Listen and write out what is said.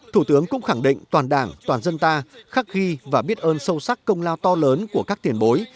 thủ tướng cũng khẳng định toàn đảng toàn dân ta khắc ghi và biết ơn sâu sắc công lao to lớn của các tiền bối